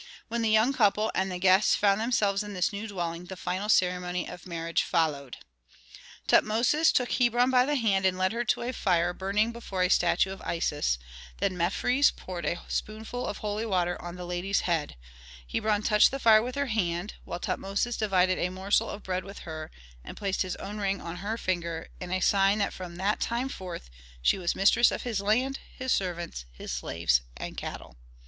When the young couple and the guests found themselves in this new dwelling the final ceremony of marriage followed: Tutmosis took Hebron by the hand and led her to a fire burning before a statue of Isis; then Mefres poured a spoonful of holy water on the lady's head; Hebron touched the fire with her hand, while Tutmosis divided a morsel of bread with her and placed his own ring on her finger in sign that from that time forth she was mistress of his land, his servants, his slaves and cattle.